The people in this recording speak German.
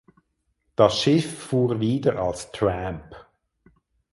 Das Schiff fuhr wieder als Tramp.